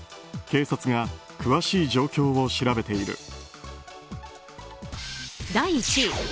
警察が詳しい状況を調べている。